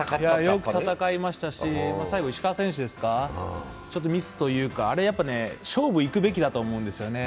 よく戦いましたし、最後、石川選手ですか、ちょっとミスというか、あれやっぱね、勝負いくべきだと思うんですよね。